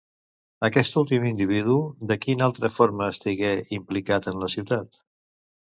Aquest últim individu, de quina altra forma estigué implicat en la ciutat?